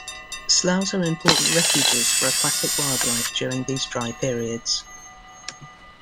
Sloughs are important refuges for aquatic wildlife during these dry periods.